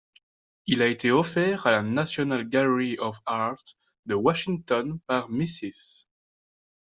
Il a été offert à la National Gallery of Art de Washington par Mrs.